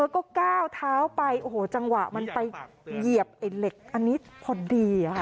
แล้วก็ก้าวเท้าไปโอ้โหจังหวะมันไปเหยียบไอ้เหล็กอันนี้พอดีค่ะ